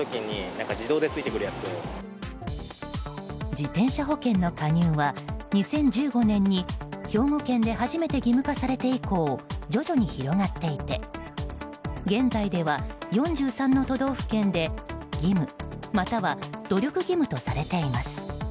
自転車保険の加入は２０１５年に兵庫県で初めて義務化されて以降徐々に広がっていて現在では４３の都道府県で、義務または、努力義務とされています。